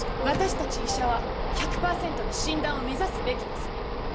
私たち医者は１００％の診断を目指すべきです。